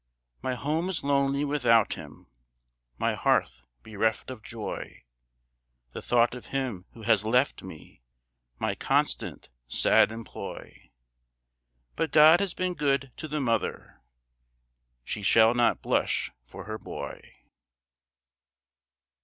My home is lonely without him, My hearth bereft of joy, The thought of him who has left me My constant sad employ; But God has been good to the mother, She shall not blush for her boy.